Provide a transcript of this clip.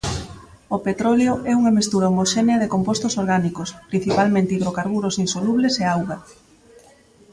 O petróleo é unha mestura homoxénea de compostos orgánicos, principalmente hidrocarburos insolubles e auga.